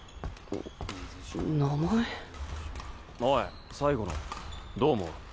おい最後のどう思う？